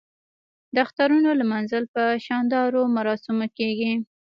د اخترونو لمانځل په شاندارو مراسمو کیږي.